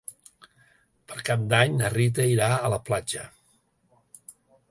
Per Cap d'Any na Rita irà a la platja.